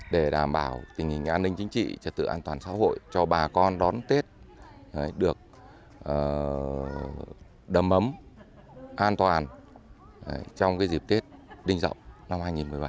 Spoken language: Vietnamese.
để đảm bảo tình hình an ninh chính trị trật tự an toàn xã hội cho bà con đón tết được đầm ấm an toàn trong dịp tết đinh dậu năm hai nghìn một mươi bảy